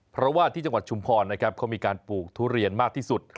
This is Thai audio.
เพราะว่าที่จังหวัดชุมพรนะครับเขามีการปลูกทุเรียนมากที่สุด